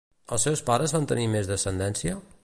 Els seus pares van tenir més descendència?